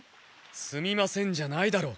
すみませんじゃないだろ。